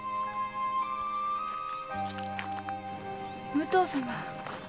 武藤様。